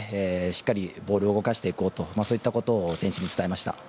しっかりボールを動かしていこうとそういったことを選手に伝えました。